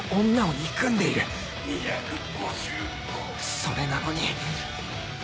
それなのに